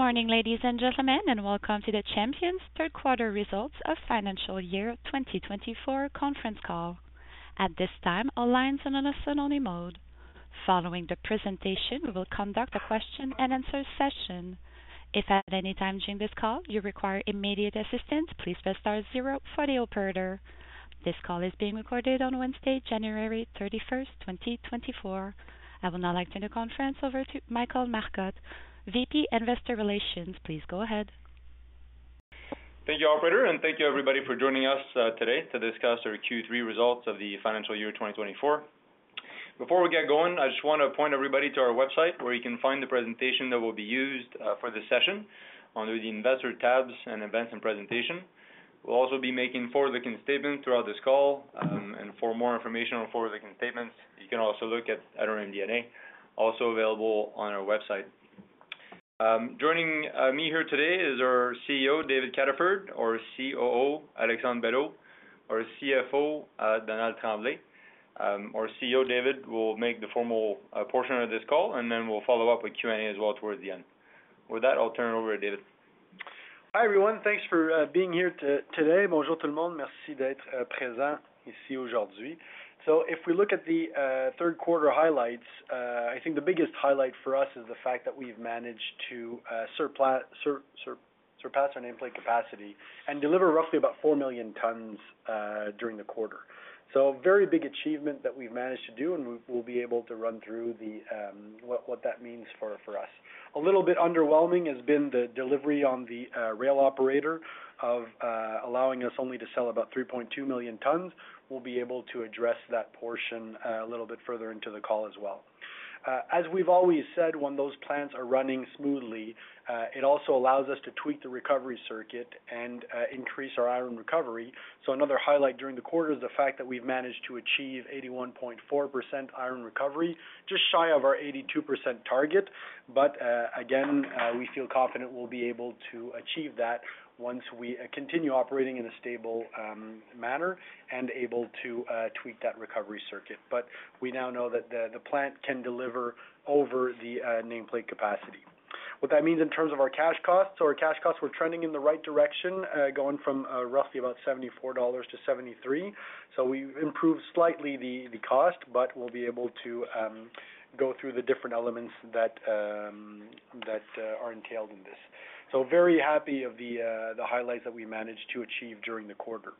Morning, ladies and gentlemen, and welcome to the Champion's third quarter results of financial year 2024 conference call. At this time, all lines on a listen-only mode. Following the presentation, we will conduct a question and answer session. If at any time during this call you require immediate assistance, please press star zero for the operator. This call is being recorded on Wednesday, January 31, 2024. I will now like to turn the conference over to Michael Marcotte, VP, Investor Relations. Please go ahead. Thank you, operator, and thank you everybody for joining us today to discuss our Q3 results of the financial year 2024. Before we get going, I just want to point everybody to our website, where you can find the presentation that will be used for this session under the Investor tabs and Events and Presentation. We'll also be making forward-looking statements throughout this call. And for more information on forward-looking statements, you can also look at our MD&A, also available on our website. Joining me here today is our CEO, David Cataford, our COO, Alexandre Belleau, our CFO, Donald Tremblay. Our CEO, David, will make the formal portion of this call, and then we'll follow up with Q&A as well towards the end. With that, I'll turn it over to David. Hi, everyone. Thanks for being here today. Bonjour tout le monde, merci d'être présent ici aujourd'hui. So if we look at the third quarter highlights, I think the biggest highlight for us is the fact that we've managed to surpass our nameplate capacity and deliver roughly about 4 million tons during the quarter. So a very big achievement that we've managed to do, and we'll be able to run through what that means for us. A little bit underwhelming has been the delivery on the rail operator of allowing us only to sell about 3.2 million tons. We'll be able to address that portion a little bit further into the call as well. As we've always said, when those plants are running smoothly, it also allows us to tweak the recovery circuit and increase our iron recovery. So another highlight during the quarter is the fact that we've managed to achieve 81.4% iron recovery, just shy of our 82% target. But again, we feel confident we'll be able to achieve that once we continue operating in a stable manner and able to tweak that recovery circuit. But we now know that the plant can deliver over the nameplate capacity. What that means in terms of our cash costs, our cash costs were trending in the right direction, going from roughly about $74 to $73. So we've improved slightly the cost, but we'll be able to go through the different elements that are entailed in this. So very happy of the highlights that we managed to achieve during the quarter.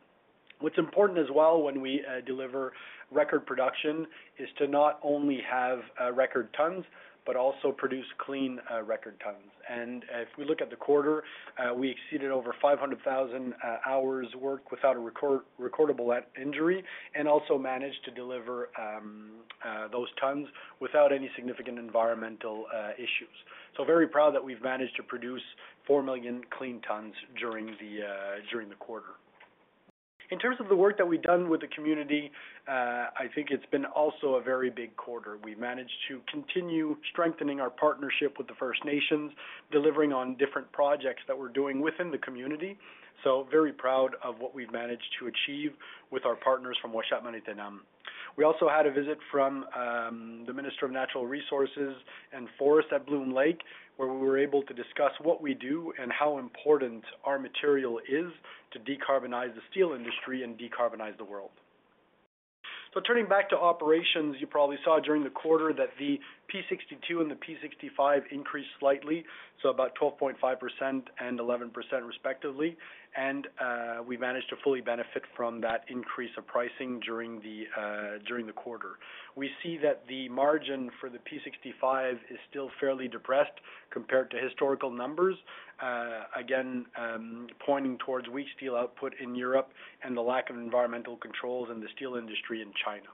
What's important as well when we deliver record production is to not only have record tons, but also produce clean record tons. And if we look at the quarter, we exceeded over 500,000 hours worked without a recordable injury, and also managed to deliver those tons without any significant environmental issues. So very proud that we've managed to produce 4 million clean tons during the quarter. In terms of the work that we've done with the community, I think it's been also a very big quarter. We've managed to continue strengthening our partnership with the First Nations, delivering on different projects that we're doing within the community. So very proud of what we've managed to achieve with our partners from Uashat First Nation. We also had a visit from the Minister of Natural Resources and Forests at Bloom Lake, where we were able to discuss what we do and how important our material is to decarbonize the steel industry and decarbonize the world. So turning back to operations, you probably saw during the quarter that the P62 and the P65 increased slightly, so about 12.5% and 11%, respectively. And we managed to fully benefit from that increase of pricing during the quarter. We see that the margin for the P65 is still fairly depressed compared to historical numbers. Again, pointing towards weak steel output in Europe and the lack of environmental controls in the steel industry in China.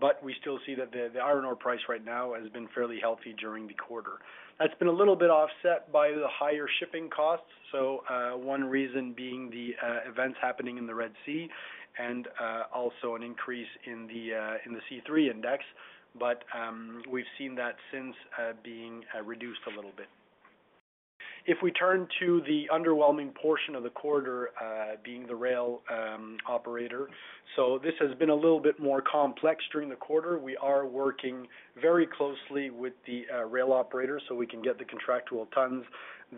But we still see that the iron ore price right now has been fairly healthy during the quarter. That's been a little bit offset by the higher shipping costs, so one reason being the events happening in the Red Sea and also an increase in the C3 Index. But we've seen that since being reduced a little bit. If we turn to the underwhelming portion of the quarter, being the rail operator, so this has been a little bit more complex during the quarter. We are working very closely with the rail operator so we can get the contractual tons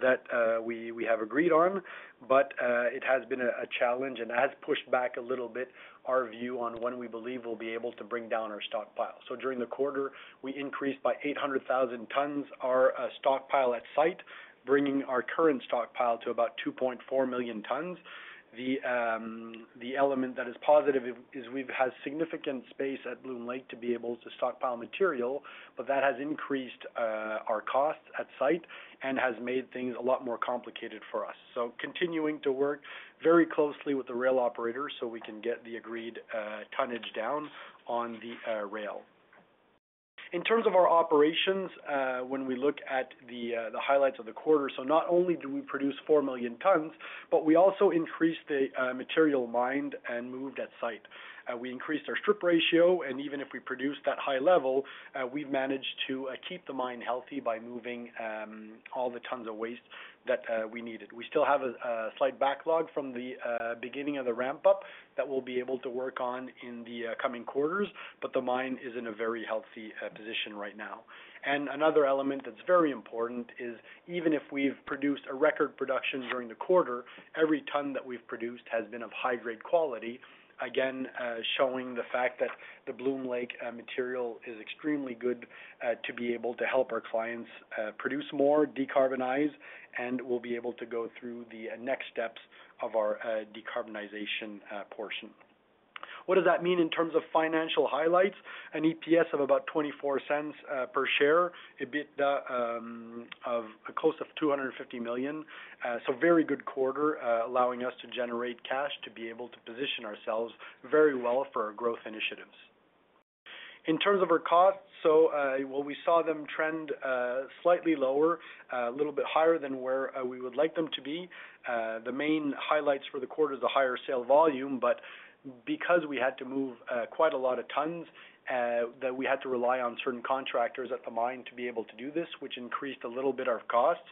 that we have agreed on. But, it has been a, a challenge and has pushed back a little bit our view on when we believe we'll be able to bring down our stockpile. So during the quarter, we increased by 800,000 tons, our, stockpile at site, bringing our current stockpile to about 2.4 million tons. The, the element that is positive is, is we've had significant space at Bloom Lake to be able to stockpile material, but that has increased, our costs at site and has made things a lot more complicated for us. So continuing to work very closely with the rail operator so we can get the agreed, tonnage down on the, rail. In terms of our operations, when we look at the highlights of the quarter, so not only do we produce 4 million tons, but we also increased the material mined and moved at site. We increased our strip ratio, and even if we produced that high level, we've managed to keep the mine healthy by moving all the tons of waste that we needed. We still have a slight backlog from the beginning of the ramp-up that we'll be able to work on in the coming quarters, but the mine is in a very healthy position right now. And another element that's very important is, even if we've produced a record production during the quarter, every ton that we've produced has been of high-grade quality. Again, showing the fact that the Bloom Lake material is extremely good to be able to help our clients produce more, decarbonize, and we'll be able to go through the next steps of our decarbonization portion. What does that mean in terms of financial highlights? An EPS of about 0.24 per share, EBITDA of close to 250 million. So very good quarter, allowing us to generate cash, to be able to position ourselves very well for our growth initiatives. In terms of our costs, so, well, we saw them trend slightly lower, a little bit higher than where we would like them to be. The main highlights for the quarter is the higher sales volume, but because we had to move quite a lot of tons that we had to rely on certain contractors at the mine to be able to do this, which increased a little bit our costs,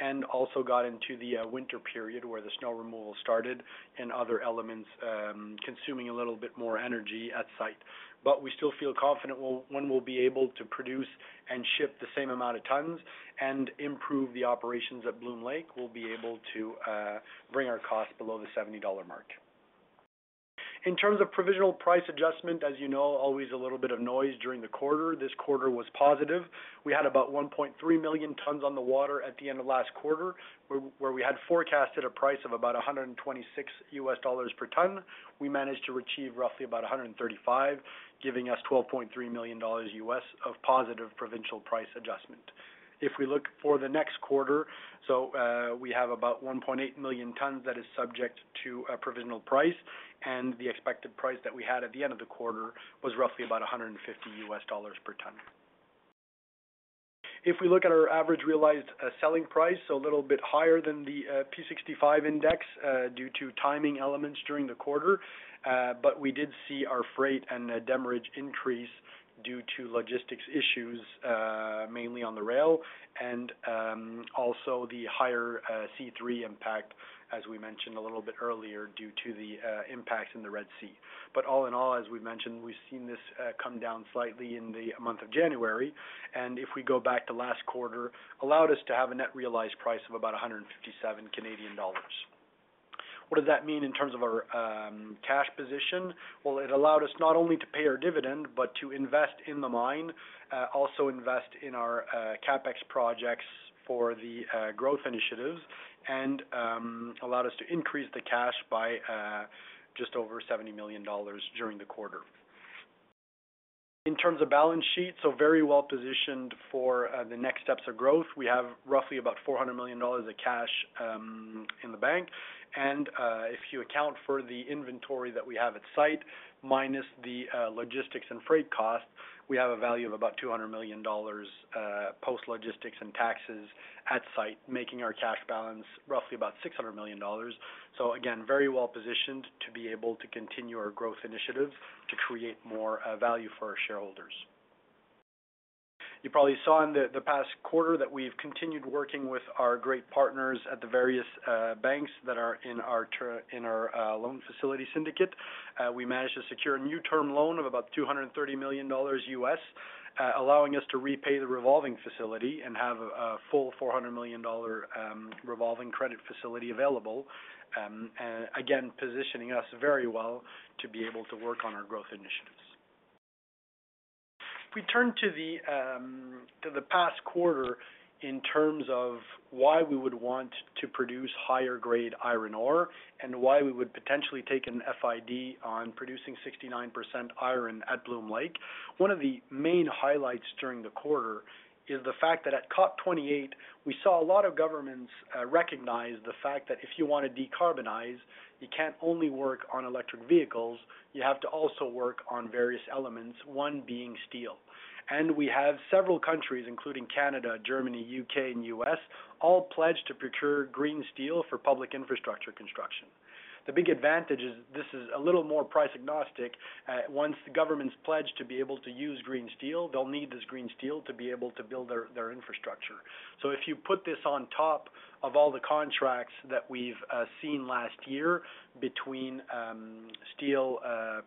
and also got into the winter period, where the snow removal started and other elements consuming a little bit more energy at site. But we still feel confident we'll be able to produce and ship the same amount of tons and improve the operations at Bloom Lake, we'll be able to bring our costs below the $70 mark. In terms of provisional price adjustment, as you know, always a little bit of noise during the quarter. This quarter was positive. We had about 1.3 million tons on the water at the end of last quarter, where we had forecasted a price of about $126 per ton. We managed to achieve roughly about 135, giving us $12.3 million of positive provisional price adjustment. If we look for the next quarter, so we have about 1.8 million tons that is subject to a provisional price, and the expected price that we had at the end of the quarter was roughly about $150 per ton. If we look at our average realized selling price, so a little bit higher than the P65 index, due to timing elements during the quarter. But we did see our freight and demurrage increase due to logistics issues, mainly on the rail, and also the higher C3 impact, as we mentioned a little bit earlier, due to the impacts in the Red Sea. All in all, as we've mentioned, we've seen this come down slightly in the month of January, and if we go back to last quarter, allowed us to have a net realized price of about 157 Canadian dollars. What does that mean in terms of our cash position? Well, it allowed us not only to pay our dividend, but to invest in the mine, also invest in our CapEx projects for the growth initiatives, and allowed us to increase the cash by just over 70 million dollars during the quarter. In terms of balance sheet, very well positioned for the next steps of growth. We have roughly about 400 million dollars of cash in the bank. And if you account for the inventory that we have at site, minus the logistics and freight costs, we have a value of about 200 million dollars post logistics and taxes at site, making our cash balance roughly about 600 million dollars. Again, very well positioned to be able to continue our growth initiatives to create more value for our shareholders. You probably saw in the past quarter that we've continued working with our great partners at the various banks that are in our loan facility syndicate. We managed to secure a new term loan of about $230 million, allowing us to repay the revolving facility and have a full $400 million revolving credit facility available, again, positioning us very well to be able to work on our growth initiatives. We turn to the past quarter in terms of why we would want to produce higher grade iron ore, and why we would potentially take an FID on producing 69% iron at Bloom Lake. One of the main highlights during the quarter is the fact that at COP28, we saw a lot of governments recognize the fact that if you want to decarbonize, you can't only work on electric vehicles, you have to also work on various elements, one being steel. We have several countries, including Canada, Germany, U.K., and U.S., all pledged to procure green steel for public infrastructure construction. The big advantage is. This is a little more price-agnostic. Once the government's pledged to be able to use green steel, they'll need this green steel to be able to build their their infrastructure. So if you put this on top of all the contracts that we've seen last year between steel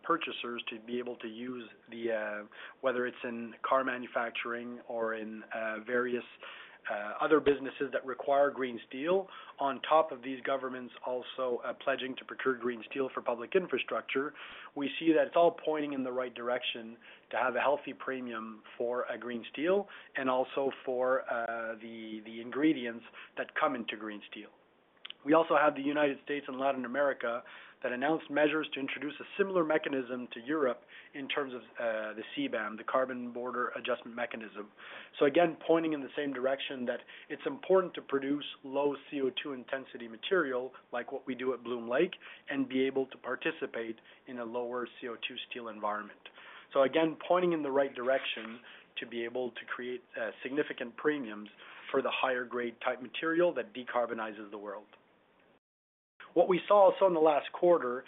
purchasers to be able to use the whether it's in car manufacturing or in various other businesses that require green steel, on top of these governments also pledging to procure green steel for public infrastructure, we see that it's all pointing in the right direction to have a healthy premium for a green steel, and also for the the ingredients that come into green steel. We also have the United States and Latin America, that announced measures to introduce a similar mechanism to Europe in terms of, the CBAM, the Carbon Border Adjustment Mechanism. So again, pointing in the same direction, that it's important to produce low CO2 intensity material, like what we do at Bloom Lake, and be able to participate in a lower CO2 steel environment. So again, pointing in the right direction to be able to create, significant premiums for the higher grade type material that decarbonizes the world. What we saw also in the last quarter,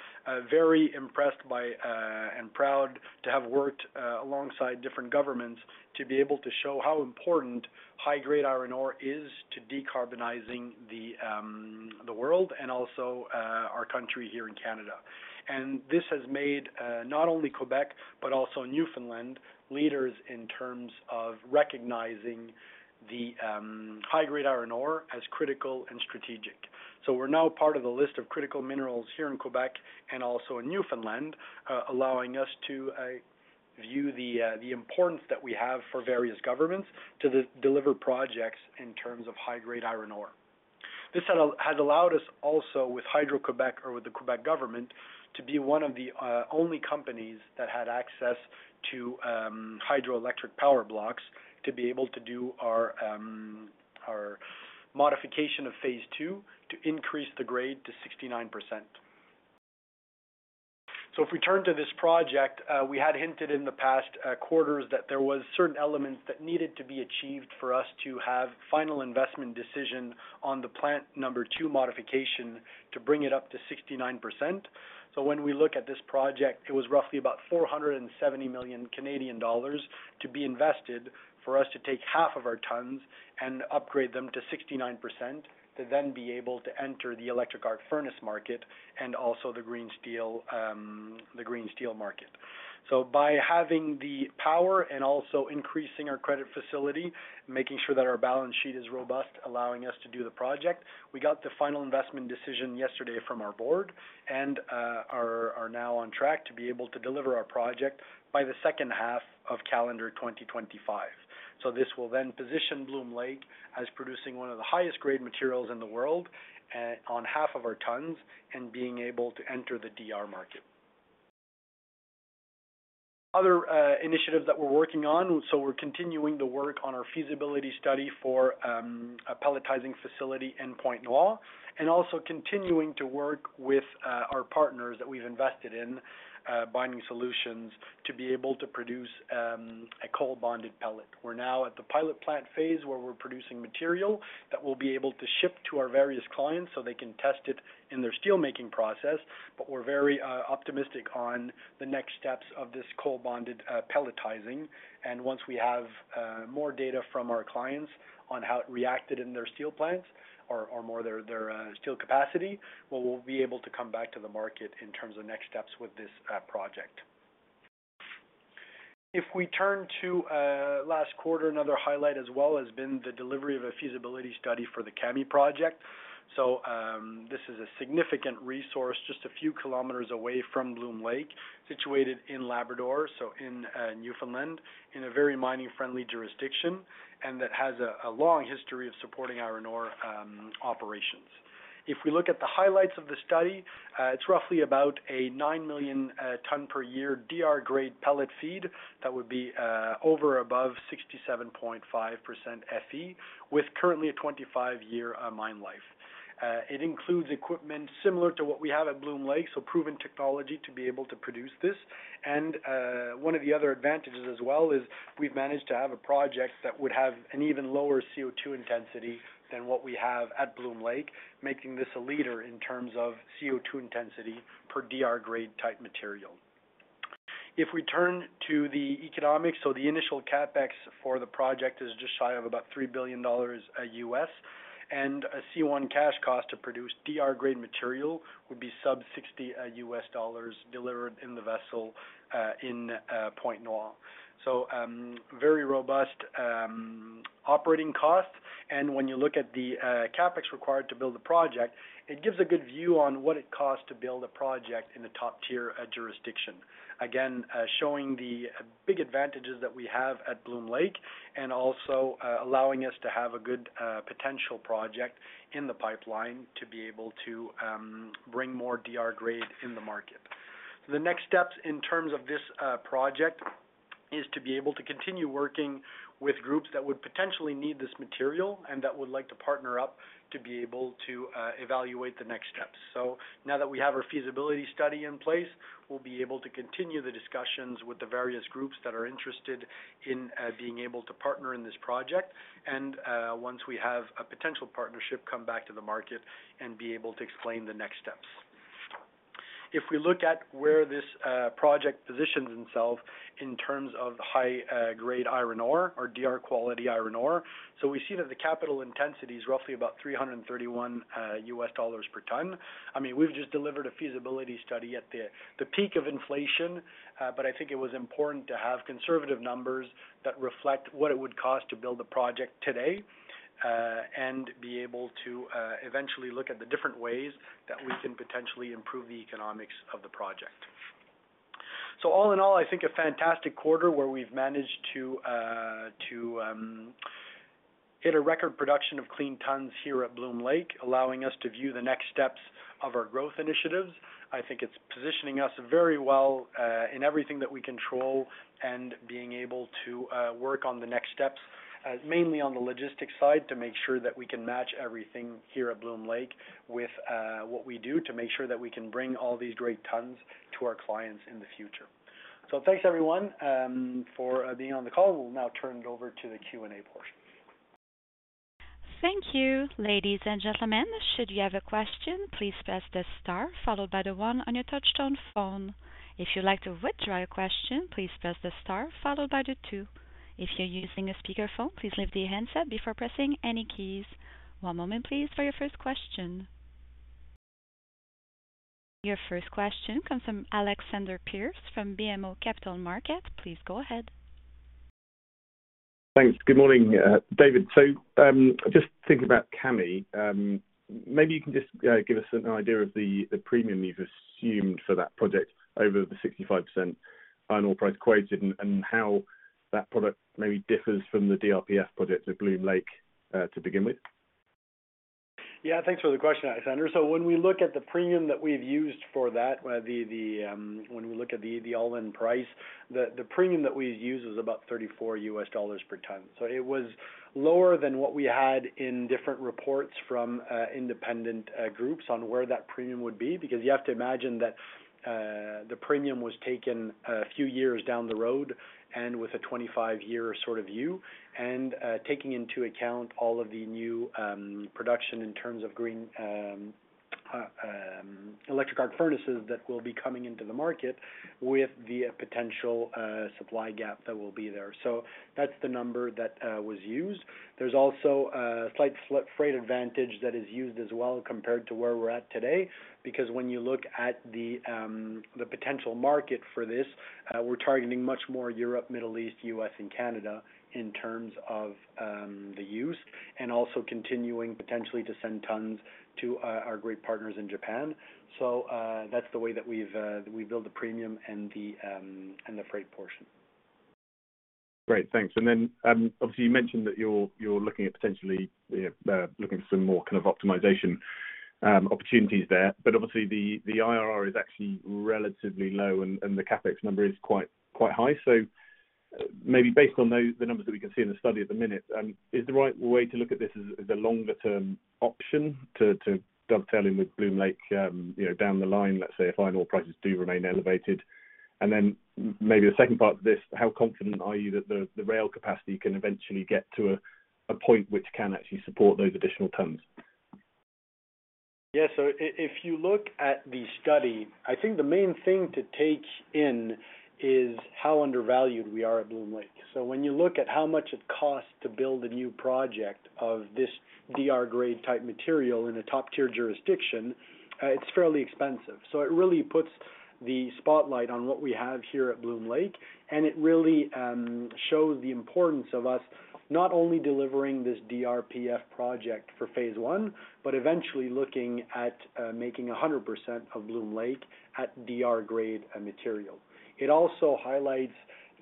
very impressed by, and proud to have worked, alongside different governments, to be able to show how important high-grade iron ore is to decarbonizing the, the world and also, our country here in Canada. And this has made not only Quebec, but also Newfoundland, leaders in terms of recognizing the high-grade iron ore as critical and strategic. So we're now part of the list of critical minerals here in Quebec and also in Newfoundland, allowing us to view the importance that we have for various governments to deliver projects in terms of high-grade iron ore. This had allowed us also with Hydro-Québec or with the Quebec government, to be one of the only companies that had access to hydroelectric power blocks, to be able to do our modification of Phase 2, to increase the grade to 69%. So if we turn to this project, we had hinted in the past quarters that there was certain elements that needed to be achieved for us to have final investment decision on the Plant 2 modification, to bring it up to 69%. So when we look at this project, it was roughly about 470 million Canadian dollars to be invested, for us to take half of our tons and upgrade them to 69%, to then be able to enter the electric arc furnace market and also the green steel, the green steel market. So by having the power and also increasing our credit facility, making sure that our balance sheet is robust, allowing us to do the project, we got the final investment decision yesterday from our board, and are now on track to be able to deliver our project by the second half of calendar 2025. So, this will then position Bloom Lake as producing one of the highest-grade materials in the world, on half of our tons, and being able to enter the DR market. Other initiatives that we're working on, so we're continuing to work on our feasibility study for a pelletizing facility in Pointe-Noire and also continuing to work with our partners that we've invested in Binding Solutions, to be able to produce a coal-bonded pellet. We're now at the pilot plant phase, where we're producing material that we'll be able to ship to our various clients, so they can test it in their steelmaking process. But we're very optimistic on the next steps of this coal-bonded pelletizing. And once we have more data from our clients on how it reacted in their steel plants or more their steel capacity, well, we'll be able to come back to the market in terms of next steps with this project. If we turn to last quarter, another highlight as well has been the delivery of a feasibility study for the Kami Project. So, this is a significant resource, just a few kilometers away from Bloom Lake, situated in Labrador, so in Newfoundland, in a very mining-friendly jurisdiction, and that has a long history of supporting our iron ore operations. If we look at the highlights of the study, it's roughly about a 9 million ton per year DR grade pellet feed, that would be over above 67.5% Fe, with currently a 25-year mine life. It includes equipment similar to what we have at Bloom Lake, so proven technology to be able to produce this. And one of the other advantages as well is we've managed to have a project that would have an even lower CO2 intensity than what we have at Bloom Lake, making this a leader in terms of CO2 intensity per DR grade-type material. If we turn to the economics, so the initial CapEx for the project is just shy of about $3 billion. And a C1 cash cost to produce DR grade material would be sub $60, delivered in the vessel, in Pointe-Noire. So, very robust, operating cost. And when you look at the, CapEx required to build a project, it gives a good view on what it costs to build a project in a top-tier, jurisdiction. Again, showing the big advantages that we have at Bloom Lake, and also, allowing us to have a good, potential project in the pipeline, to be able to, bring more DR grade in the market. The next steps in terms of this project is to be able to continue working with groups that would potentially need this material and that would like to partner up to be able to evaluate the next steps. So now that we have our feasibility study in place, we'll be able to continue the discussions with the various groups that are interested in being able to partner in this project. And once we have a potential partnership, come back to the market and be able to explain the next steps. If we look at where this project positions itself in terms of high-grade iron ore or DR quality iron ore. So we see that the capital intensity is roughly about $331 per ton. I mean, we've just delivered a feasibility study at the peak of inflation, but I think it was important to have conservative numbers that reflect what it would cost to build a project today, and be able to eventually look at the different ways that we can potentially improve the economics of the project. So all in all, I think a fantastic quarter, where we've managed to hit a record production of clean tons here at Bloom Lake, allowing us to view the next steps of our growth initiatives. I think it's positioning us very well in everything that we control, and being able to work on the next steps mainly on the logistics side, to make sure that we can match everything here at Bloom Lake with what we do, to make sure that we can bring all these great tons to our clients in the future. So thanks, everyone, for being on the call. We'll now turn it over to the Q&A portion. Thank you. Ladies and gentlemen, should you have a question, please press the star followed by the one on your touchtone phone. If you'd like to withdraw your question, please press the star followed by the two. If you're using a speakerphone, please lift your handset before pressing any keys. One moment, please, for your first question. Your first question comes from Alexander Pearce from BMO Capital Markets. Please go ahead. Thanks. Good morning, David. So, just thinking about Kami, maybe you can just give us an idea of the premium you've assumed for that project over the 65% final price quoted, and how that product maybe differs from the DRPF project at Bloom Lake, to begin with? Yeah, thanks for the question, Alexander. So when we look at the premium that we've used for that, when we look at the all-in price, the premium that we use is about $34 per ton. So it was lower than what we had in different reports from independent groups on where that premium would be, because you have to imagine that the premium was taken a few years down the road and with a 25-year sort of view, and taking into account all of the new electric arc furnaces that will be coming into the market with the potential supply gap that will be there. So that's the number that was used. There's also a slight freight advantage that is used as well compared to where we're at today, because when you look at the potential market for this, we're targeting much more Europe, Middle East, US, and Canada in terms of the use, and also continuing potentially to send tons to our great partners in Japan. So, that's the way that we've built the premium and the freight portion. Great, thanks. And then, obviously, you mentioned that you're looking at potentially looking for some more kind of optimization opportunities there. But obviously, the IRR is actually relatively low and the CapEx number is quite high. So maybe based on those, the numbers that we can see in the study at the minute, is the right way to look at this as a longer-term option to dovetailing with Bloom Lake, you know, down the line, let's say, if final prices do remain elevated? And then maybe the second part of this, how confident are you that the rail capacity can eventually get to a point which can actually support those additional tons? Yeah. So if you look at the study, I think the main thing to take in is how undervalued we are at Bloom Lake. So when you look at how much it costs to build a new project of this DR grade type material in a top-tier jurisdiction, it's fairly expensive. So it really puts the spotlight on what we have here at Bloom Lake, and it really shows the importance of us not only delivering this DRPF project for phase one, but eventually looking at making 100% of Bloom Lake at DR grade material. It also highlights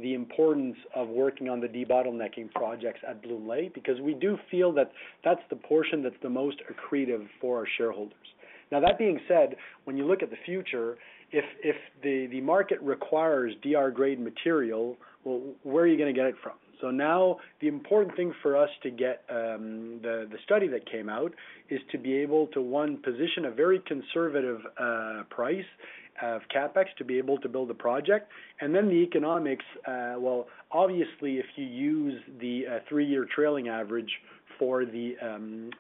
the importance of working on the debottlenecking projects at Bloom Lake, because we do feel that that's the portion that's the most accretive for our shareholders. Now, that being said, when you look at the future, if the market requires DR grade material, well, where are you going to get it from? So now, the important thing for us to get the study that came out, is to be able to, one, position a very conservative price of CapEx to be able to build a project. And then the economics, well, obviously, if you use the three-year trailing average for the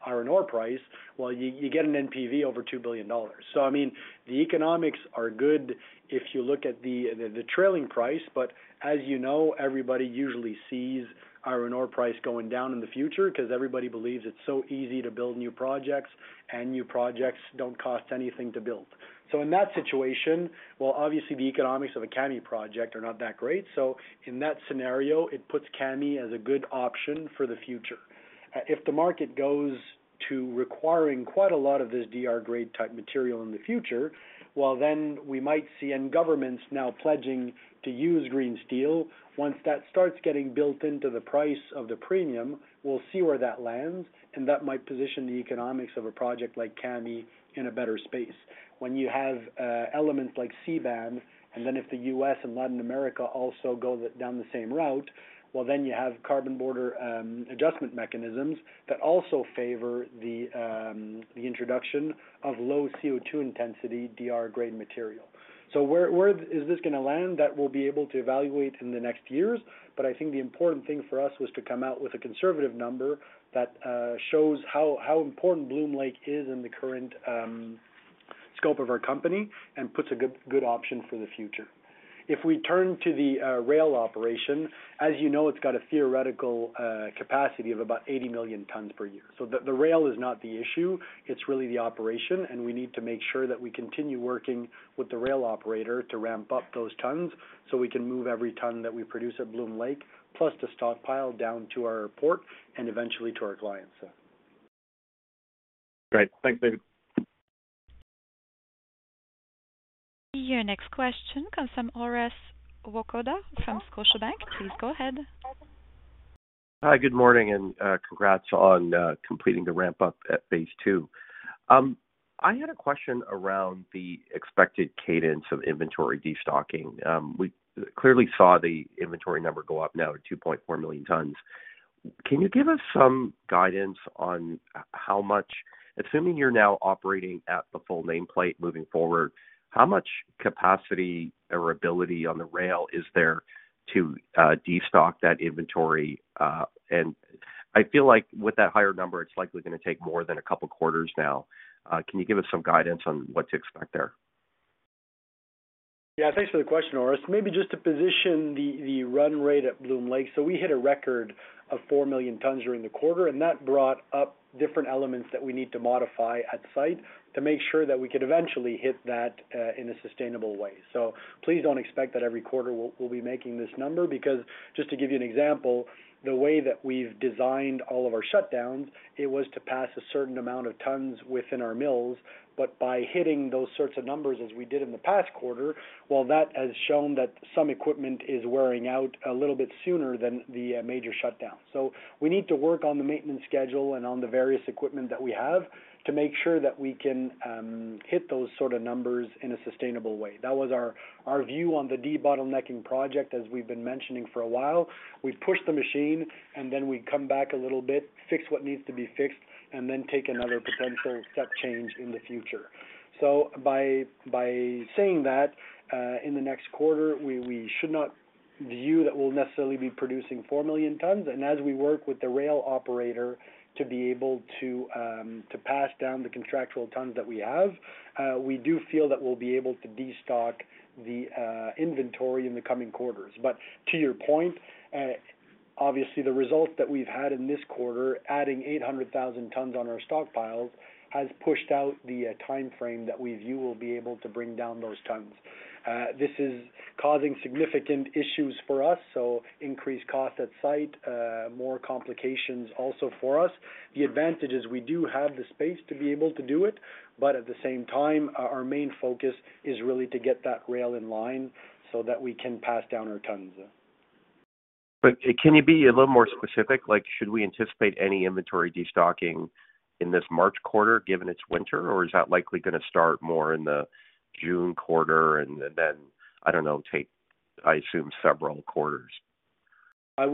iron ore price, well, you get an NPV over $2 billion. So I mean, the economics are good if you look at the trailing price. But as you know, everybody usually sees iron ore price going down in the future because everybody believes it's so easy to build new projects, and new projects don't cost anything to build. So in that situation, well, obviously, the economics of a Kami project are not that great. So in that scenario, it puts Kami as a good option for the future. If the market goes to requiring quite a lot of this DR grade type material in the future, well, then we might see, and governments now pledging to use green steel. Once that starts getting built into the price of the premium, we'll see where that lands, and that might position the economics of a project like Kami in a better space. When you have, elements like CBAM, and then if the U.S. and Latin America also go the, down the same route, well, then you have carbon border adjustment mechanisms that also favor the, the introduction of low CO2 intensity DR grade material. So where is this going to land? That we'll be able to evaluate in the next years. But I think the important thing for us was to come out with a conservative number that shows how, how important Bloom Lake is in the current scope of our company and puts a good, good option for the future. If we turn to the rail operation, as you know, it's got a theoretical capacity of about 80 million tons per year. So the rail is not the issue, it's really the operation, and we need to make sure that we continue working with the rail operator to ramp up those tons, so we can move every ton that we produce at Bloom Lake, plus the stockpile down to our port and eventually to our clients. Great. Thanks, David. Your next question comes from Orest Wowkodaw, from Scotiabank. Please go ahead. Hi, good morning, and congrats on completing the ramp up at phase two. I had a question around the expected cadence of inventory destocking. We clearly saw the inventory number go up now to 2.4 million tons. Can you give us some guidance on how much—assuming you're now operating at the full nameplate moving forward, how much capacity or ability on the rail is there to destock that inventory? And I feel like with that higher number, it's likely going to take more than a couple of quarters now. Can you give us some guidance on what to expect there?... Yeah, thanks for the question, Orest. Maybe just to position the, the run rate at Bloom Lake. So we hit a record of 4 million tons during the quarter, and that brought up different elements that we need to modify at the site to make sure that we could eventually hit that in a sustainable way. So please don't expect that every quarter we'll, we'll be making this number, because just to give you an example, the way that we've designed all of our shutdowns, it was to pass a certain amount of tons within our mills. But by hitting those sorts of numbers as we did in the past quarter, while that has shown that some equipment is wearing out a little bit sooner than the major shutdown. So we need to work on the maintenance schedule and on the various equipment that we have, to make sure that we can hit those sort of numbers in a sustainable way. That was our view on the debottlenecking project, as we've been mentioning for a while. We've pushed the machine, and then we come back a little bit, fix what needs to be fixed, and then take another potential step change in the future. So by saying that, in the next quarter, we should not view that we'll necessarily be producing 4 million tons. And as we work with the rail operator to be able to pass down the contractual tons that we have, we do feel that we'll be able to destock the inventory in the coming quarters. But to your point, obviously, the results that we've had in this quarter, adding 800,000 tons on our stockpiles, has pushed out the timeframe that we view we'll be able to bring down those tons. This is causing significant issues for us, so increased cost at site, more complications also for us. The advantage is we do have the space to be able to do it, but at the same time, our, our main focus is really to get that rail in line so that we can pass down our tons. Can you be a little more specific? Like, should we anticipate any inventory destocking in this March quarter, given it's winter, or is that likely gonna start more in the June quarter, and then, then, I don't know, take, I assume, several quarters? I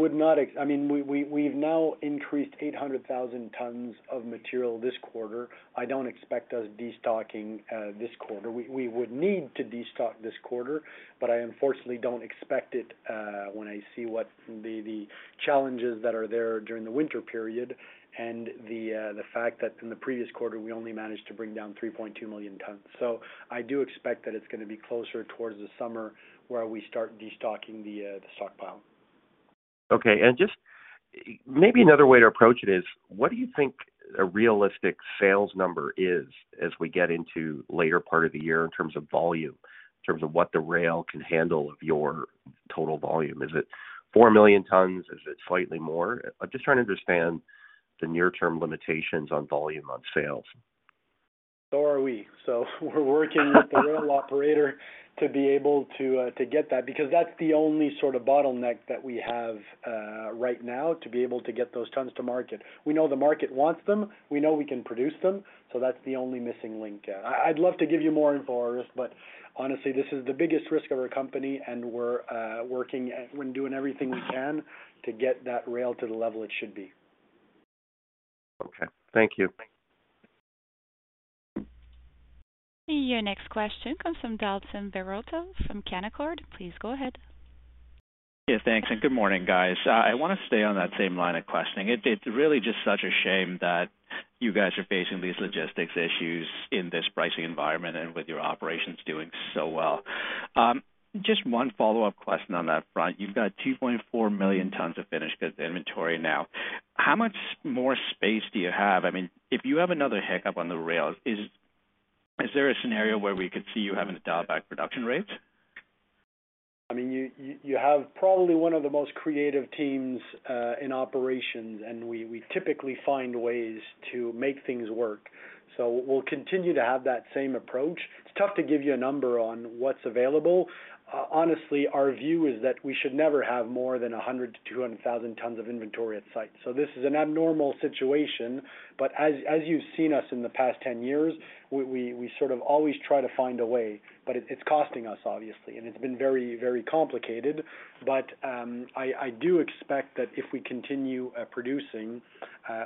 mean, we, we've now increased 800,000 tons of material this quarter. I don't expect us destocking this quarter. We would need to destock this quarter, but I unfortunately don't expect it when I see what the challenges that there during the winter period and the fact are that in the previous quarter, we only managed to bring down 3.2 million tons. So I do expect that it's gonna be closer towards the summer, where we start destocking the stockpile. Okay. And just maybe another way to approach it is, what do you think a realistic sales number is as we get into later part of the year in terms of volume, in terms of what the rail can handle of your total volume? Is it 4 million tons? Is it slightly more? I'm just trying to understand the near-term limitations on volume on sales. So are we. So we're working with the rail operator to be able to to get that, because that's the only sort of bottleneck that we have right now, to be able to get those tons to market. We know the market wants them, we know we can produce them, so that's the only missing link there. I'd love to give you more info, Orest, but honestly, this is the biggest risk of our company, and we're working and, we're doing everything we can to get that rail to the level it should be. Okay, thank you. Your next question comes from Dalton Baretto from Canaccord. Please go ahead. Yeah, thanks, and good morning, guys. I wanna stay on that same line of questioning. It's really just such a shame that you guys are facing these logistics issues in this pricing environment and with your operations doing so well. Just one follow-up question on that front: You've got 2.4 million tons of finished goods inventory now. How much more space do you have? I mean, if you have another hiccup on the rail, is there a scenario where we could see you having to dial back production rates? I mean, you have probably one of the most creative teams in operations, and we typically find ways to make things work, so we'll continue to have that same approach. It's tough to give you a number on what's available. Honestly, our view is that we should never have more than 100-200,000 tons of inventory at site. So this is an abnormal situation, but as you've seen us in the past 10 years, we sort of always try to find a way, but it's costing us, obviously, and it's been very, very complicated. But I do expect that if we continue producing,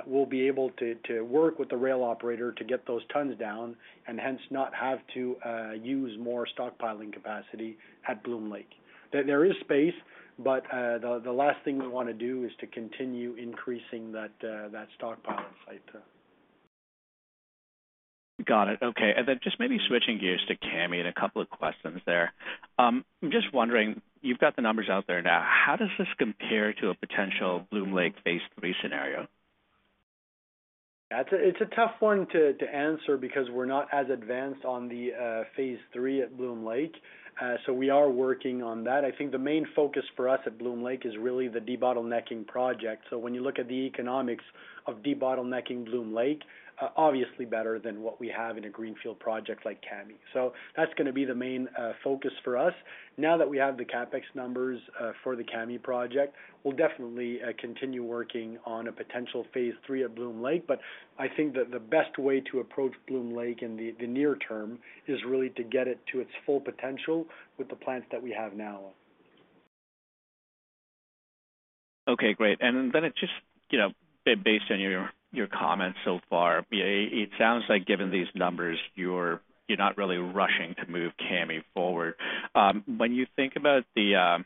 we'll be able to work with the rail operator to get those tons down and hence not have to use more stockpiling capacity at Bloom Lake. There is space, but the last thing we want to do is to continue increasing that stockpile on site. Got it. Okay, and then just maybe switching gears to Kami and a couple of questions there. I'm just wondering, you've got the numbers out there now. How does this compare to a potential Bloom Lake Phase 3 scenario? That's a tough one to answer because we're not as advanced on the Phase 3 at Bloom Lake. So we are working on that. I think the main focus for us at Bloom Lake is really the debottlenecking project. So when you look at the economics of debottlenecking Bloom Lake, obviously better than what we have in a greenfield project like Kami. So that's gonna be the main focus for us. Now that we have the CapEx numbers for the Kami project, we'll definitely continue working on a potential Phase 3 at Bloom Lake. But I think that the best way to approach Bloom Lake in the near term is really to get it to its full potential with the plants that we have now. Okay, great. And then it just, you know, based on your, your comments so far, it, it sounds like given these numbers, you're, you're not really rushing to move Kami forward. When you think about the,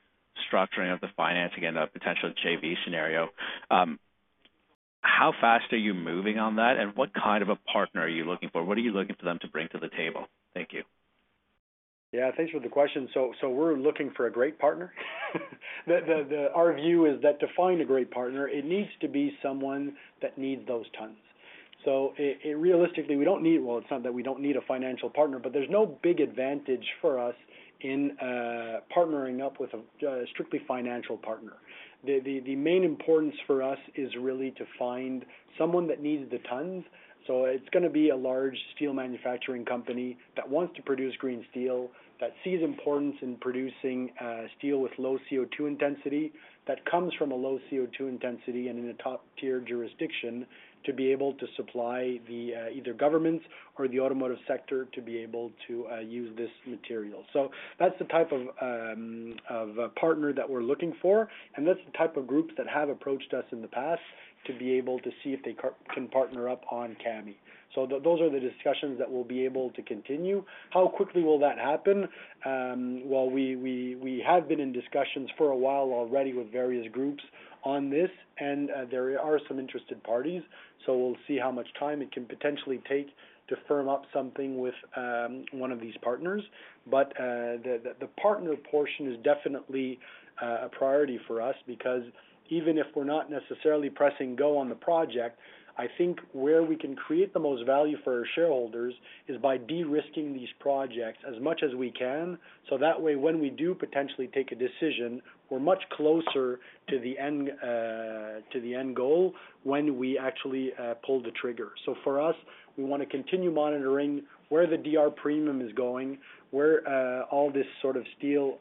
structuring of the financing and a potential JV scenario, how fast are you moving on that, and what kind of a partner are you looking for? What are you looking for them to bring to the table? Thank you. Yeah, thanks for the question. So, we're looking for a great partner. Our view is that to find a great partner, it needs to be someone that needs those tons. So realistically, we don't need—Well, it's not that we don't need a financial partner, but there's no big advantage for us in partnering up with a strictly financial partner. The main importance for us is really to find someone that needs the tons. So it's going to be a large steel manufacturing company that wants to produce green steel, that sees importance in producing steel with low CO₂ intensity, that comes from a low CO₂ intensity and in a top-tier jurisdiction, to be able to supply either governments or the automotive sector to be able to use this material. So that's the type of partner that we're looking for, and that's the type of groups that have approached us in the past to be able to see if they can partner up on Kami. So those are the discussions that we'll be able to continue. How quickly will that happen? Well, we have been in discussions for a while already with various groups on this, and there are some interested parties. So we'll see how much time it can potentially take to firm up something with one of these partners. But the partner portion is definitely a priority for us, because even if we're not necessarily pressing go on the project, I think where we can create the most value for our shareholders is by de-risking these projects as much as we can. So that way, when we do potentially take a decision, we're much closer to the end, to the end goal when we actually, pull the trigger. So for us, we want to continue monitoring where the DR premium is going, where, all this sort of steel,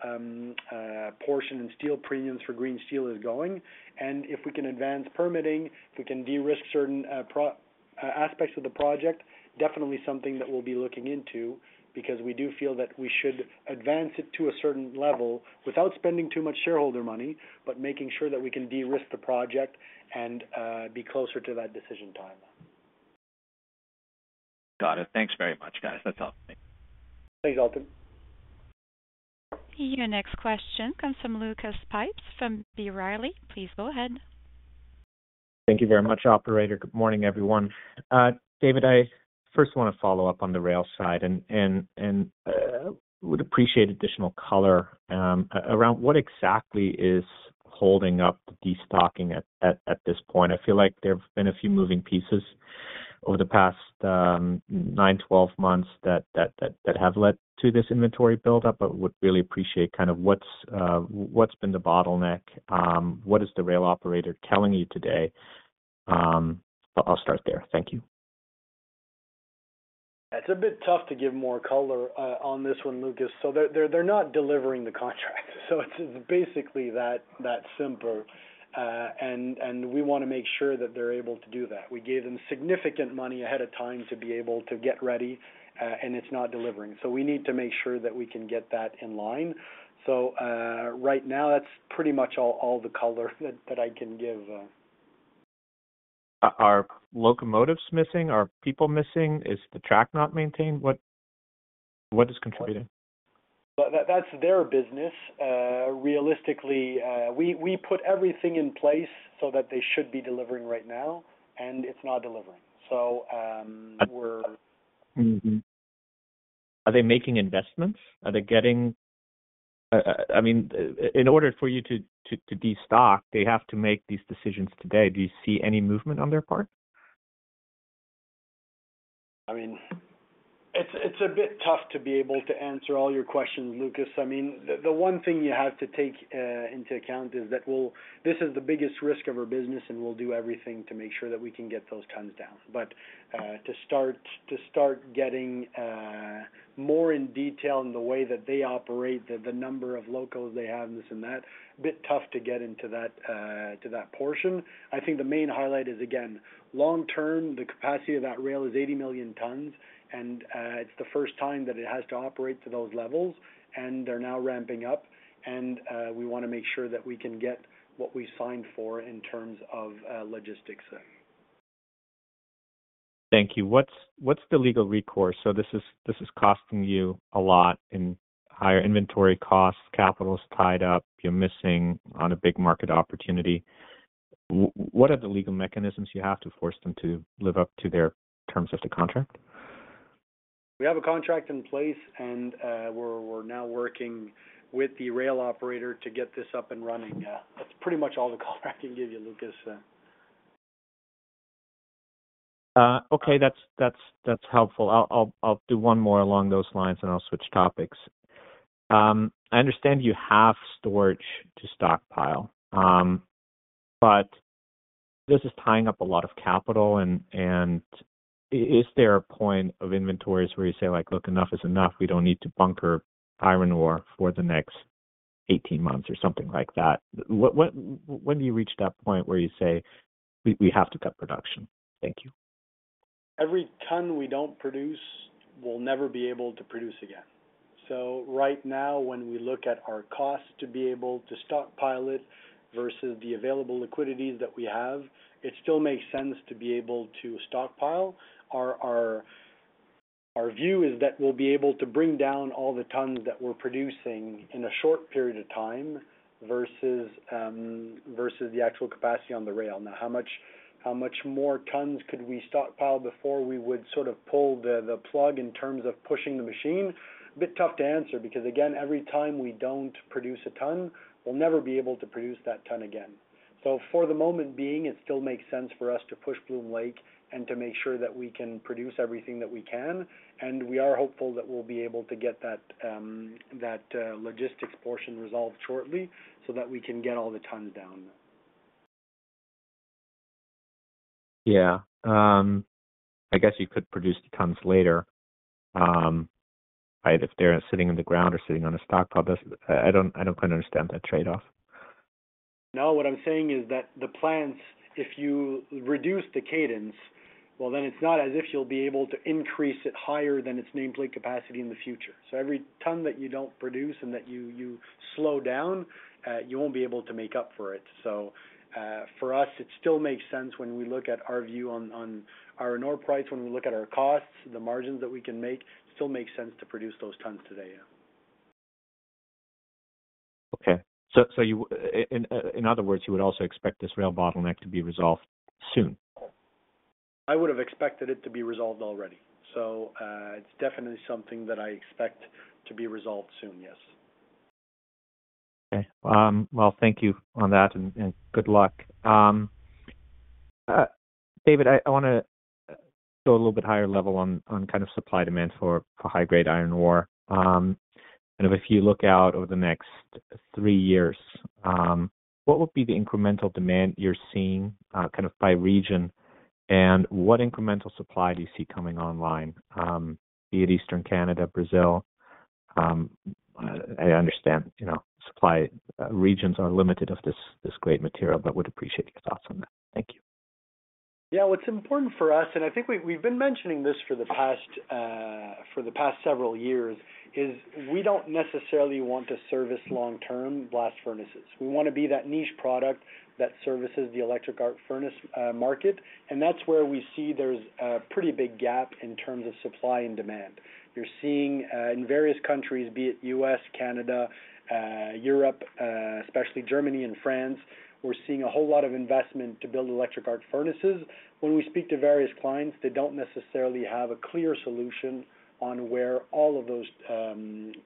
portion and steel premiums for green steel is going. And if we can advance permitting, if we can de-risk certain, aspects of the project, definitely something that we'll be looking into, because we do feel that we should advance it to a certain level without spending too much shareholder money, but making sure that we can de-risk the project and, be closer to that decision timeline. Got it. Thanks very much, guys. That's all, thank you. Thanks, Dalton. Your next question comes from Lucas Pipes from B. Riley. Please go ahead. Thank you very much, operator. Good morning, everyone. David, I first want to follow up on the rail side and would appreciate additional color around what exactly is holding up the destocking at this point? I feel like there have been a few moving pieces over the past 9, 12 months that have led to this inventory buildup, but would really appreciate kind of what's been the bottleneck, what is the rail operator telling you today? I'll start there. Thank you. It's a bit tough to give more color on this one, Lucas. So they're not delivering the contract. So it's basically that simple. And we want to make sure that they're able to do that. We gave them significant money ahead of time to be able to get ready, and it's not delivering. So we need to make sure that we can get that in line. So right now, that's pretty much all the color that I can give. Are locomotives missing? Are people missing? Is the track not maintained? What is contributing? Well, that's their business. Realistically, we put everything in place so that they should be delivering right now, and it's not delivering. So, we're- Mm-hmm. Are they making investments? Are they getting... I mean, in order for you to destock, they have to make these decisions today. Do you see any movement on their part? I mean, it's a bit tough to be able to answer all your questions, Lucas. I mean, the one thing you have to take into account is that we'll, this is the biggest risk of our business, and we'll do everything to make sure that we can get those tons down. But to start getting more in detail in the way that they operate, the number of locals they have, and this and that, a bit tough to get into that portion. I think the main highlight is, again, long term, the capacity of that rail is 80 million tons, and it's the first time that it has to operate to those levels, and they're now ramping up, and we want to make sure that we can get what we signed for in terms of logistics. Thank you. What's the legal recourse? So this is costing you a lot in higher inventory costs, capital is tied up, you're missing on a big market opportunity. What are the legal mechanisms you have to force them to live up to their terms of the contract? We have a contract in place, and we're now working with the rail operator to get this up and running. That's pretty much all the color I can give you, Lucas. Okay, that's, that's, that's helpful. I'll, I'll, I'll do one more along those lines, and I'll switch topics. I understand you have storage to stockpile, but this is tying up a lot of capital, and is there a point of inventories where you say, like: Look, enough is enough, we don't need to bunker iron ore for the next 18 months, or something like that? What, what-- When do you reach that point where you say, We, we have to cut production? Thank you. Every ton we don't produce, we'll never be able to produce again. So right now, when we look at our cost to be able to stockpile it versus the available liquidity that we have, it still makes sense to be able to stockpile. Our view is that we'll be able to bring down all the tons that we're producing in a short period of time versus the actual capacity on the rail. Now, how much, how much more tons could we stockpile before we would sort of pull the plug in terms of pushing the machine? A bit tough to answer, because, again, every time we don't produce a ton, we'll never be able to produce that ton again. So for the moment being, it still makes sense for us to push Bloom Lake and to make sure that we can produce everything that we can. We are hopeful that we'll be able to get that logistics portion resolved shortly so that we can get all the tons down. Yeah. I guess you could produce the tons later, right, if they're sitting in the ground or sitting on a stockpile. That's. I don't quite understand that trade-off. No, what I'm saying is that the plants, if you reduce the cadence, well, then it's not as if you'll be able to increase it higher than its nameplate capacity in the future. So every ton that you don't produce and that you slow down, you won't be able to make up for it. So, for us, it still makes sense when we look at our view on our iron price, when we look at our costs, the margins that we can make, still makes sense to produce those tons today, yeah. Okay. So, in other words, you would also expect this rail bottleneck to be resolved soon? I would have expected it to be resolved already. So, it's definitely something that I expect to be resolved soon, yes. Okay. Well, thank you on that, and, and good luck. David, I wanna go a little bit higher level on kind of supply, demand for high-grade iron ore. And if you look out over the next three years, what would be the incremental demand you're seeing kind of by region? And what incremental supply do you see coming online, be it Eastern Canada, Brazil? I understand, you know, supply regions are limited of this great material, but would appreciate your thoughts on that. Thank you. Yeah, what's important for us, and I think we, we've been mentioning this for the past, for the past several years, is we don't necessarily want to service long-term blast furnaces. We want to be that niche product that services the electric arc furnace market, and that's where we see there's a pretty big gap in terms of supply and demand. You're seeing in various countries, be it U.S., Canada, Europe, especially Germany and France, we're seeing a whole lot of investment to build electric arc furnaces. When we speak to various clients, they don't necessarily have a clear solution on where all of those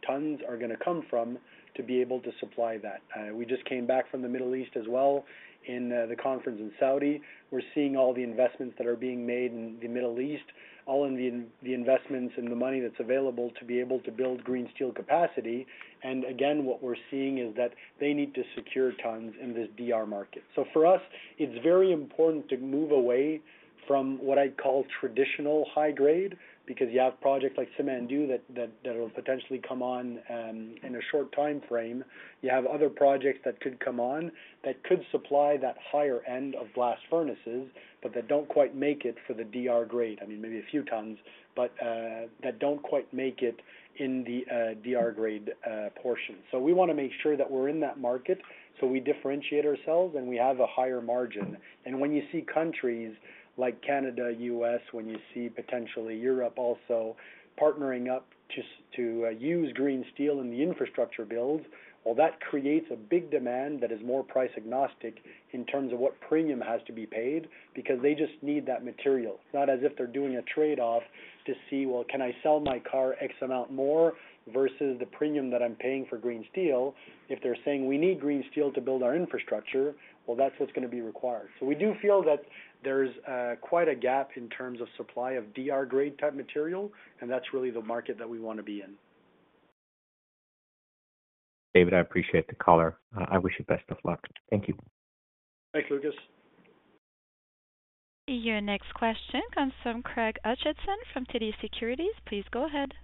tons are going to come from to be able to supply that. We just came back from the Middle East as well, in the conference in Saudi. We're seeing all the investments that are being made in the Middle East, all in the, the investments and the money that's available to be able to build green steel capacity. And again, what we're seeing is that they need to secure tons in this DR market. So for us, it's very important to move away from what I'd call traditional high grade, because you have projects like Simandou, that, that, that will potentially come on, in a short timeframe. You have other projects that could come on, that could supply that higher end of blast furnaces, but that don't quite make it for the DR grade. I mean, maybe a few tons, but, that don't quite make it in the, DR grade, portion. So we want to make sure that we're in that market, so we differentiate ourselves and we have a higher margin. And when you see countries like Canada, U.S., when you see potentially Europe also partnering up to use green steel in the infrastructure build, well, that creates a big demand that is more price-agnostic in terms of what premium has to be paid, because they just need that material. Not as if they're doing a trade-off to see, well, can I sell my car X amount more versus the premium that I'm paying for green steel? If they're saying, "We need green steel to build our infrastructure," well, that's what's going to be required. So we do feel that there's quite a gap in terms of supply of DR grade type material, and that's really the market that we want to be in. David, I appreciate the call. I wish you best of luck. Thank you. Thanks, Lucas. Your next question comes from Craig Hutchison from TD Securities. Please go ahead.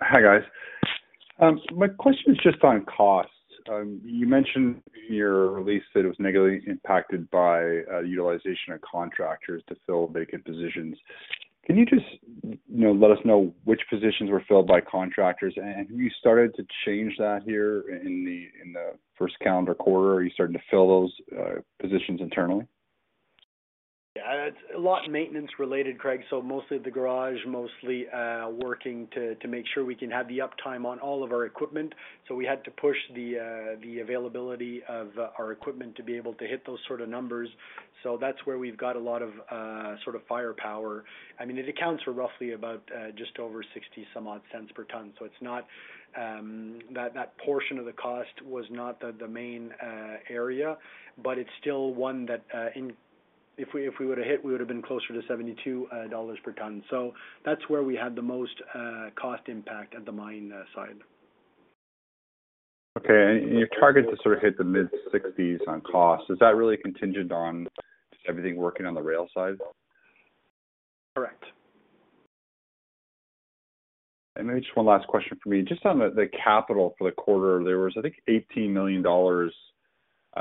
Hi, guys. My question is just on costs. You mentioned in your release that it was negatively impacted by utilization of contractors to fill vacant positions. Can you just, you know, let us know which positions were filled by contractors, and have you started to change that here in the first calendar quarter? Are you starting to fill those positions internally? Yeah, it's a lot maintenance related, Craig, so mostly the garage, mostly, working to make sure we can have the uptime on all of our equipment. So we had to push the availability of our equipment to be able to hit those sorts of numbers. So that's where we've got a lot of sort of firepower. I mean, it accounts for roughly about just over 60-some-odd cents per ton. So it's not... That portion of the cost was not the main area, but it's still one that if we would have hit, we would have been closer to $72 per ton. So that's where we had the most cost impact at the mine side. Okay. Your target to sort of hit the mid-60s on cost, is that really contingent on everything working on the rail side? Correct. Maybe just one last question for me. Just on the capital for the quarter, there was, I think, $18 million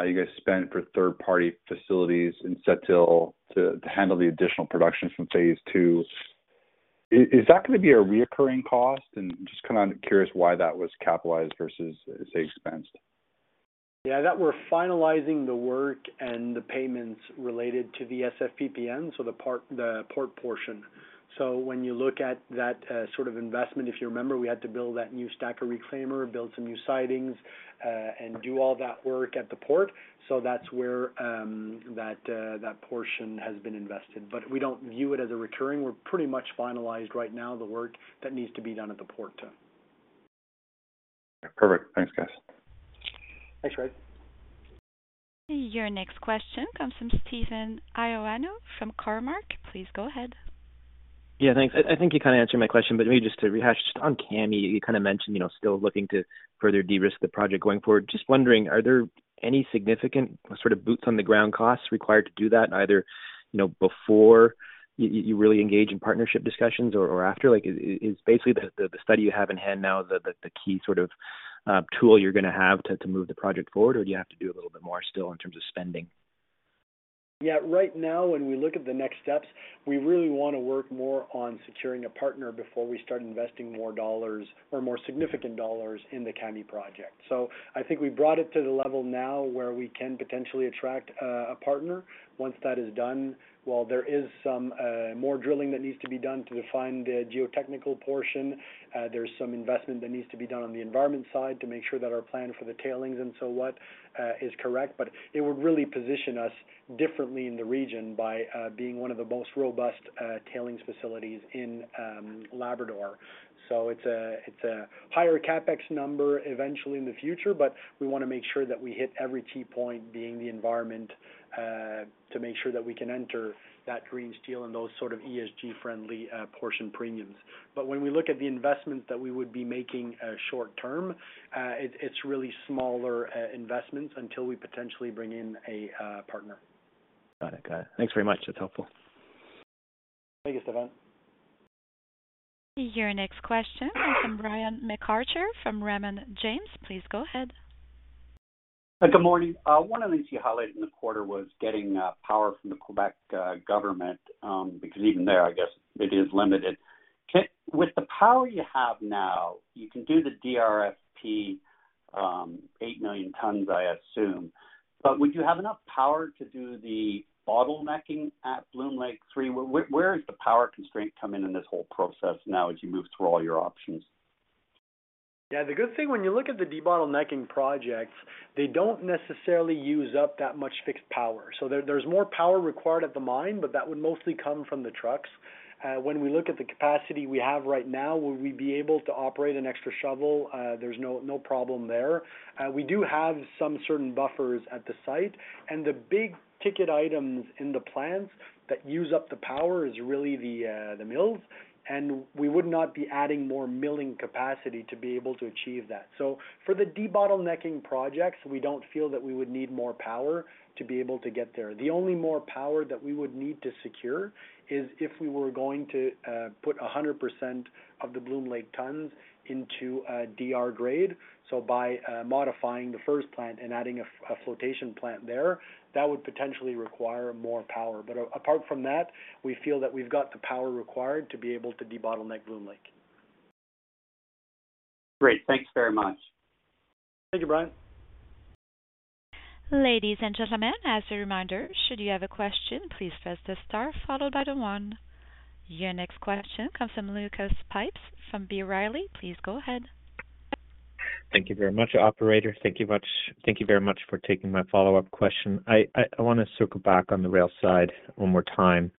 you guys spent for third-party facilities in Pointe-Noire to handle the additional productions from phase two. Is that going to be a recurring cost? And just kind of curious why that was capitalized versus, say, expensed. ...Yeah, that we're finalizing the work and the payments related to the SFPPN, so the part, the port portion. So when you look at that sort of investment, if you remember, we had to build that new stacker reclaimer, build some new sidings, and do all that work at the port. So that's where that portion has been invested. But we don't view it as a recurring. We're pretty much finalized right now, the work that needs to be done at the port. Perfect. Thanks, guys. Thanks, Craig. Your next question comes from Stefan Ioannou from Cormark. Please go ahead. Yeah, thanks. I think you kind of answered my question, but maybe just to rehash just on Kami, you kind of mentioned, you know, still looking to further de-risk the project going forward. Just wondering, are there any significant sort of boots-on-the-ground costs required to do that, either, you know, before you really engage in partnership discussions or, or after? Like, is basically the, the key sort of tool you're going to have to move the project forward, or do you have to do a little bit more still in terms of spending? Yeah, right now, when we look at the next steps, we really want to work more on securing a partner before we start investing more dollars or more significant dollars in the Kami project. So, I think we brought it to the level now where we can potentially attract a partner. Once that is done, while there is some more drilling that needs to be done to define the geotechnical portion, there's some investment that needs to be done on the environment side to make sure that our plan for the tailings and so what is correct, but it would really position us differently in the region by being one of the most robust tailings facilities in Labrador. So, it's a, it's a higher CapEx number eventually in the future, but we want to make sure that we hit every key point, being the environment, to make sure that we can enter that green steel and those sorts of ESG-friendly purity premiums. But when we look at the investment that we would be making, short term, it's really smaller investments until we potentially bring in a partner. Got it. Got it. Thanks very much. That's helpful. Thank you, Stefan. Your next question comes from Brian MacArthur from Raymond James. Please go ahead. Good morning. One of the things you highlighted in the quarter was getting power from the Quebec government, because even there, I guess it is limited. With the power you have now, you can do the DRPF 8 million tons, I assume. But would you have enough power to do the debottlenecking at Bloom Lake Phase 3? Where does the power constraint come in, in this whole process now, as you move through all your options? Yeah, the good thing, when you look at the debottlenecking projects, they don't necessarily use up that much fixed power. So there, there's more power required at the mine, but that would mostly come from the trucks. When we look at the capacity we have right now, will we be able to operate an extra shovel? There's no, no problem there. We do have some certain buffers at the site, and the big ticket items in the plants that use up the power is really the, the mills, and we would not be adding more milling capacity to be able to achieve that. So for the debottlenecking projects, we don't feel that we would need more power to be able to get there. The only more power that we would need to secure is if we were going to put 100% of the Bloom Lake tons into a DR grade. So by modifying the first plant and adding a flotation plant there, that would potentially require more power. But apart from that, we feel that we've got the power required to be able to debottleneck Bloom Lake. Great, thanks very much. Thank you, Brian. Ladies and gentlemen, as a reminder, should you have a question, please press the star followed by the one. Your next question comes from Lucas Pipes from B. Riley. Please go ahead. Thank you very much, operator. Thank you very much for taking my follow-up question. I want to circle back on the rail side one more time.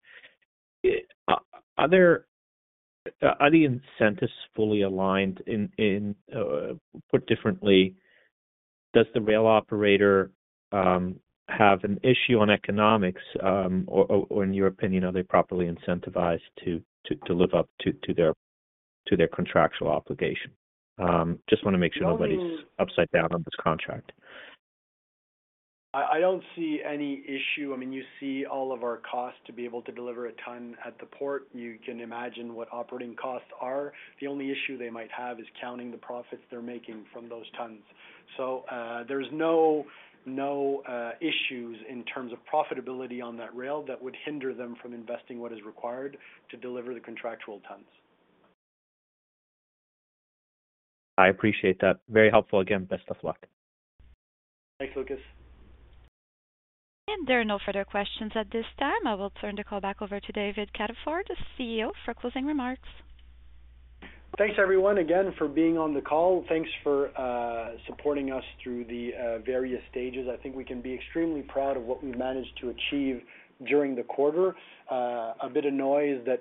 Are the incentives fully aligned in, put differently, does the rail operator have an issue on economics, or in your opinion, are they properly incentivized to live up to their contractual obligation? Just want to make sure nobody's upside down on this contract. I don't see any issue. I mean, you see all of our costs to be able to deliver a ton at the port. You can imagine what operating costs are. The only issue they might have is counting the profits they're making from those tons. So, there's no, no, issues in terms of profitability on that rail that would hinder them from investing what is required to deliver the contractual tons. I appreciate that. Very helpful. Again, best of luck. Thanks, Lucas. There are no further questions at this time. I will turn the call back over to David Cataford, the CEO, for closing remarks. Thanks, everyone, again for being on the call. Thanks for supporting us through the various stages. I think we can be extremely proud of what we managed to achieve during the quarter. A bit of noise that,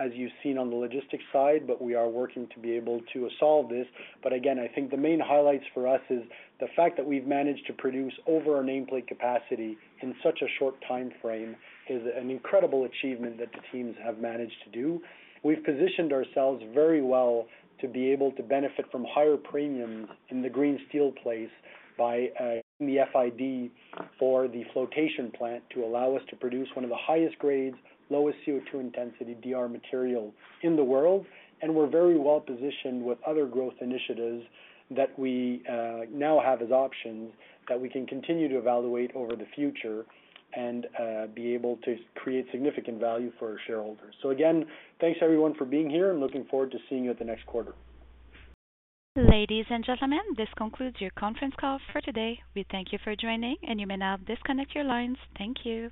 as you've seen on the logistics side, but we are working to be able to solve this. But again, I think the main highlights for us is the fact that we've managed to produce over our nameplate capacity in such a short time frame is an incredible achievement that the teams have managed to do. We've positioned ourselves very well to be able to benefit from higher premiums in the green steel space by the FID for the flotation plant to allow us to produce one of the highest grades, lowest CO2 intensity DR material in the world. We're very well positioned with other growth initiatives that we now have as options that we can continue to evaluate over the future and be able to create significant value for our shareholders. Again, thanks everyone for being here, and looking forward to seeing you at the next quarter. Ladies and gentlemen, this concludes your conference call for today. We thank you for joining, and you may now disconnect your lines. Thank you.